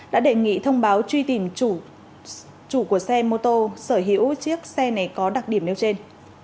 đã đề nghị thông báo truy tìm chủ của xe mô tô sở hữu chiếc xe này có đặc điểm nêu trên